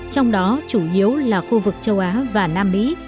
trong đó chủ yếu là khu vực châu á và nam mỹ